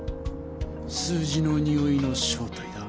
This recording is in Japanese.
数字のにおいの正体だ。